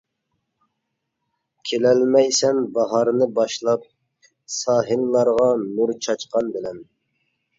كېلەلمەيسەن باھارنى باشلاپ، ساھىللارغا نۇر چاچقان بىلەن.